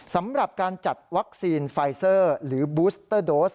สำหรับการจัดวัคซีนไฟเซอร์หรือบูสเตอร์โดส